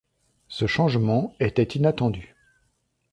Ce changement était inattendu.